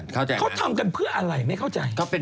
เขาทำกันเพื่ออะไรไม่เข้าใจ